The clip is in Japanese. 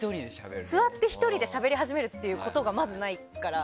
座って１人でしゃべり始めるっていうことがまずないから。